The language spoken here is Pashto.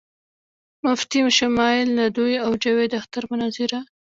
مفتی شمائل ندوي او جاوید اختر مناظره